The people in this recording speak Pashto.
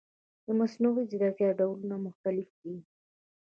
د مصنوعي ځیرکتیا ډولونه مختلف دي.